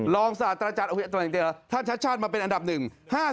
ลองสาธาราชาติอีกทีแล้วท่านชัดชาติมาเป็นอันดับหนึ่ง